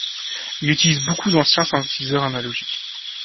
Il utilise beaucoup d'anciens synthétiseurs analogiques.